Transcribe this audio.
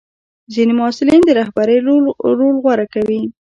ځینې محصلین د رهبرۍ رول غوره کوي.